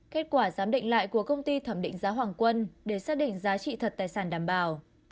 kết quả giám định lại của công ty thẩm định giá hoàng quân để xác định giá trị thật tài sản đảm bảo